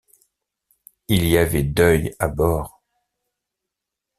Il y avait deuil à bord!